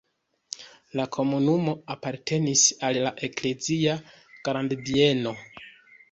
La komunumo apartenis al la eklezia grandbieno.